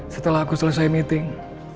setelah aku selesai meeting